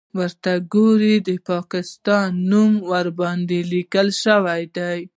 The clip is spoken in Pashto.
_ورته وګوره! د پاکستان نوم ورباندې ليکل شوی دی.